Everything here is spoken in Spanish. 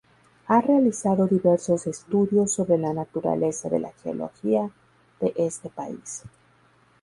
Ha realizado diversos estudios sobre la naturaleza de la geología de este país.